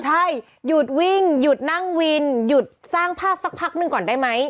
ใช่หยุดวิ่งหยุดนั่งวินหยุดสร้างภาพสักพักหนึ่งก่อนได้ไหม